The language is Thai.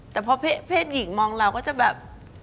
แต่พอเพศหญิงมองเราก็จะแบบ